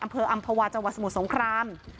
อำเภออำภาวาจังหวัดสมุทรสงคราม